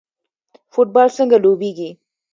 فوټبال څنګه لوبیږي؟